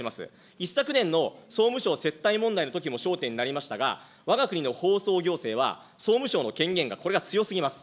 一昨年の総務省接待問題のときも焦点になりましたが、わが国の放送行政は総務省の権限が、これが強すぎます。